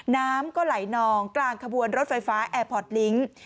น้ำก็ไหลนองกลางขบวนรถไฟฟ้าแอร์พอร์ตลิงค์